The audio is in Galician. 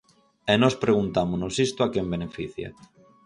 E nós preguntámonos, ¿isto a quen beneficia?